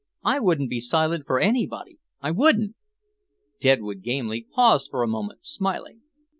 "I wouldn't be silent for anybody, I wouldn't." Deadwood Gamely paused a moment, smiling.